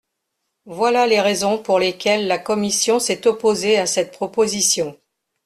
Voilà les raisons pour lesquelles la commission s’est opposée à cette proposition.